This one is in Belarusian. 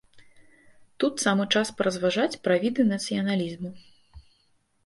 Тут самы час паразважаць пра віды нацыяналізму.